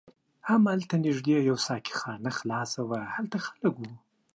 هملته نږدې یوه ساقي خانه خلاصه وه، هلته خلک و.